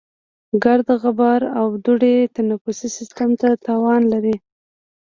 ګرد، غبار او دوړې تنفسي سیستم ته تاوان لري.